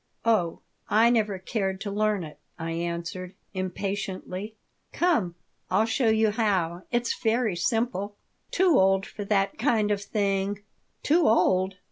"Oh, I never cared to learn it," I answered, impatiently "Come. I'll show you how. It's very simple." "Too old for that kind of thing." "Too old?